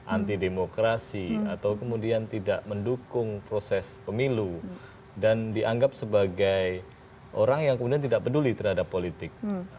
anti demokrasi atau kemudian tidak mendukung proses pemilu dan dianggap sebagai orang yang kemudian tidak peduli terhadap politik